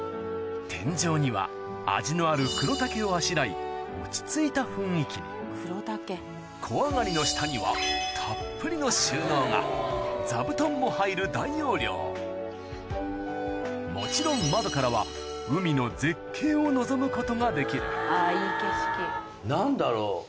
天井には味のある黒竹をあしらい落ち着いた雰囲気に小上がりの下にはたっぷりの収納が座布団も入る大容量もちろんを望むことができる何だろう？